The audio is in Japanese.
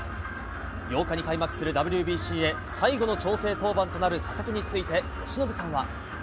８日に開幕するＷＢＣへ、最後の調整登板となる佐々木について、由伸さんは。